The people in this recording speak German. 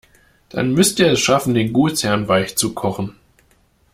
Dann müsst ihr es schaffen, den Gutsherren weichzukochen.